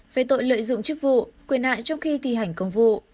về tội lợi dụng chức vụ quyền hạn trong khi thi hành công vụ